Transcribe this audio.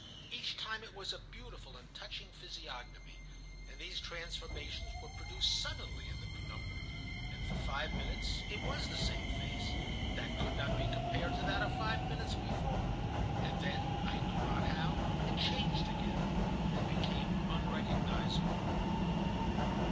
Each time it was a beautiful and touching physiognomy, and these transformations were produced suddenly in the penumbra; and for five minutes it was the same face, that could not be compared to that of five minutes before. And then, I know not how, it changed again, and became unrecognizable.